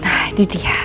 nah ini dia